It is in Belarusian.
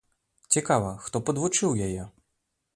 Цікава, хто падвучыў яе?